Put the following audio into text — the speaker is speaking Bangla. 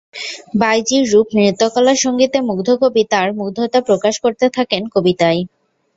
বাইজির রূপ, নৃত্যকলা, সংগীতে মুগ্ধ কবি তাঁর মুগ্ধতা প্রকাশ করতে থাকেন কবিতায়।